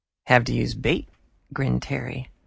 "Have to use bait," grinned Terry.